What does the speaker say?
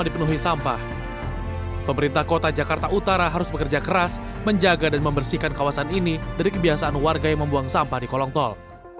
pemerintah kota jakarta utara harus bekerja keras menjaga dan membersihkan kawasan ini dari kebiasaan warga yang membuang sampah di kolong tol